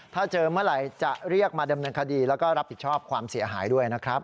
ถ้าเจอเมื่อไหร่จะเรียกมาดำเนินคดีแล้วก็รับผิดชอบความเสียหายด้วยนะครับ